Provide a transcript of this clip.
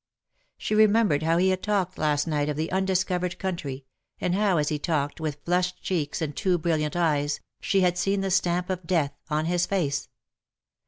She remembered how he had talked last night of the undiscovered country, and how, as he talked, with flushed cheeks, and too brilliant eyes, she had seen the stamp of death on his face.